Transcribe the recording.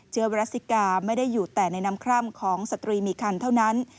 วรัสซิกาไม่ได้อยู่แต่ในน้ำคร่ำของสตรีมีคันเท่านั้น